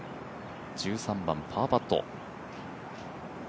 １３番、パーパット。